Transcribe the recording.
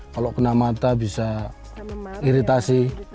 kalau kena mata bisa iritasi